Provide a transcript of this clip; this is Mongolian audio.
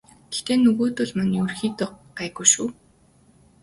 Гэхдээ нөгөөдүүл маань ерөнхийдөө гайгүй шүү.